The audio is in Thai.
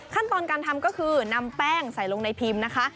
ขั้นตอนการทำก็คือนำแป้งใส่ลงในพิมพ์นะคะ